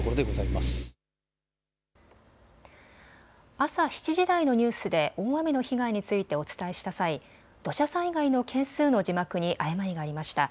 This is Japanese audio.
朝７時台のニュースで大雨の被害についてお伝えした際、土砂災害の件数の字幕に誤りがありました。